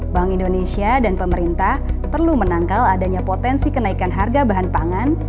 bank indonesia dan pemerintah perlu menangkal adanya potensi kenaikan harga bahan pangan